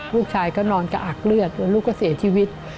ลูกชายก็นอนกระอักเลือดแล้วลูกก็เสียชีวิต